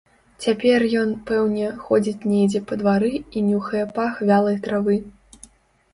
Цяпер ён, пэўне, ходзіць недзе па двары і нюхае пах вялай травы.